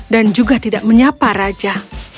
dan juga tidak menyapa raja